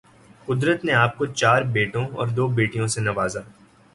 قدرت نے آپ کو چار بیٹوں اور دو بیٹیوں سے نوازا